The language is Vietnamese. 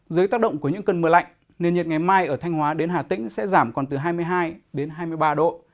dưới tác động của những cơn mưa lạnh nền nhiệt ngày mai ở thanh hóa đến hà tĩnh sẽ giảm còn từ hai mươi hai đến hai mươi ba độ